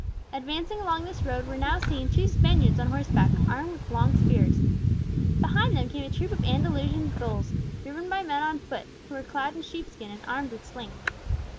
Advancing along this road were now seen two Spaniards on horse back, armed with long spears. Behind them came a troop of Andalusian bulls, driven by men on foot, who were clad in sheep skin, and armed with slings.